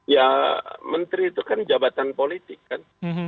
ya menteri itu kan jabatan politik kan